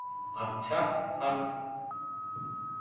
আচ্ছা, হাহ?